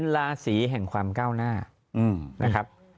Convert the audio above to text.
ราศีแห่งความก้าวหน้านะครับ